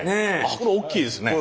これ大きいですね。